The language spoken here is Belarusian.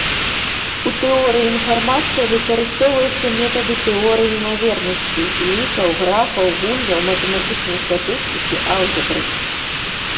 У тэорыі інфармацыі выкарыстоўваюцца метады тэорый імавернасцей, лікаў, графаў, гульняў, матэматычнай статыстыкі, алгебры.